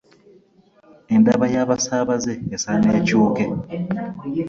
Endaba y'abasaabaze esaana ekyuke.